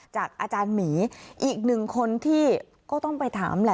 จากอาจารย์หมีอีกหนึ่งคนที่ก็ต้องไปถามแหละ